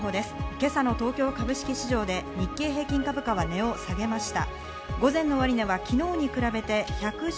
今朝の東京株式市場で日経平均株価は値を下げました。